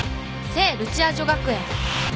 聖ルチア女学園。